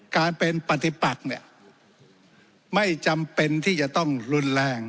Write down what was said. การเป็นปฏิปักเนี่ยไม่จำเป็นที่จะต้องรุนแรง